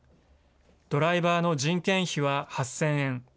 ドライバーの人件費は８０００円。